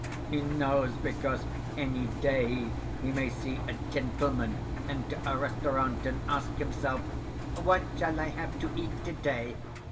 He knows because any day he may see a gentleman enter a restaurant and ask himself, "What shall I have to eat today?